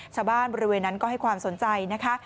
ชาวบ้านบริเวณนั้นก็ให้ความสนใจนะคะ